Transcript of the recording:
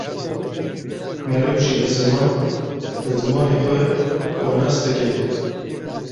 Meriv jî bi ziman, bi zimanê xwe xwe nas dike